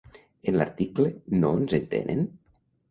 En l'article "No ens entenen?"